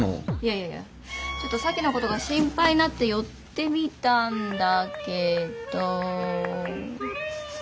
いやいやちょっと沙樹のことが心配になって寄ってみたんだけど。